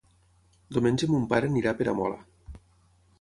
Diumenge mon pare anirà a Peramola.